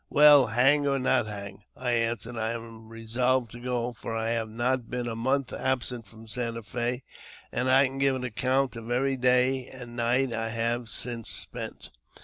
" Weil, hang or not hang," I answered, " I am resolved to go, for I have not been a month absent from Santa F6, and I can give account of every day and_ night I have since spent."